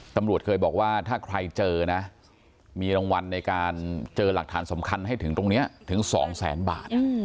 ตำรวจเคยบอกว่าถ้าใครเจอนะมีรางวัลในการเจอหลักฐานสำคัญให้ถึงตรงนี้ถึง๒แสนบาท